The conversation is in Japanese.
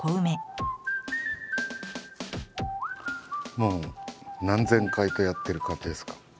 もう何千回とやってる感じですか？